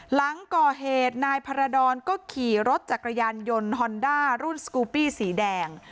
หลังก่อเหตุนายพารดรก็ขี่รถจักรยานยนต์ฮอนด้ารุ่นสกูปี้สีแดง